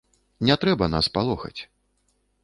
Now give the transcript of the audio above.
Не трэба нас палохаць.